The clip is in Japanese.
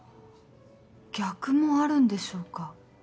逆もあるんでしょうか。